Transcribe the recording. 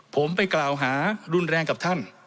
ผมไปกล่าวหารุนแรงกับท่าน